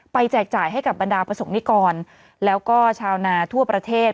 แจกจ่ายให้กับบรรดาประสงค์นิกรแล้วก็ชาวนาทั่วประเทศ